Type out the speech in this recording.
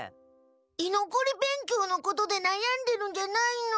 いのこり勉強のことでなやんでるんじゃないの。